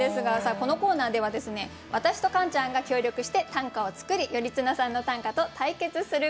このコーナーでは私とカンちゃんが協力して短歌を作り頼綱さんの短歌と対決するコーナーです。